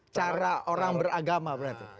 cara orang beragama berarti